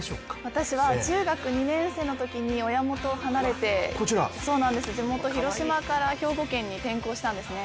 私は中学２年生のときに親元を離れて地元・広島から兵庫県に転校したんですね。